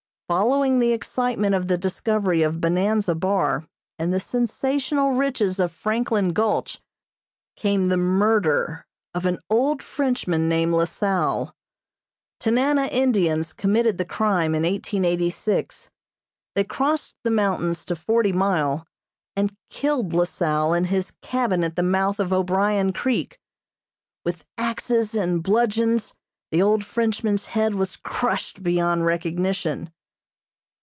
Following the excitement of the discovery of Bonanza Bar and the sensational riches of Franklin Gulch came the murder of an old Frenchman named La Salle. Tanana Indians committed the crime in 1886. They crossed the mountains to Forty Mile, and killed La Salle in his cabin at the mouth of O'Brian Creek. With axes and bludgeons the old Frenchman's head was crushed beyond recognition.